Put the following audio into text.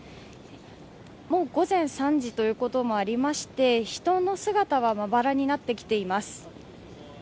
もう午前３時ということもありまして人の姿はまばらになってきています。